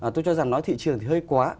tôi cho rằng nói thị trường thì hơi quá